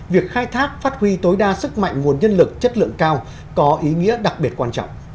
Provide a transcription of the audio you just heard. việc khai thác phát huy tối đa sức mạnh nguồn nhân lực chất lượng cao có ý nghĩa đặc biệt quan trọng